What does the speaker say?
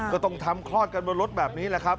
ก็ต้องทำคลอดกันบนรถแบบนี้แหละครับ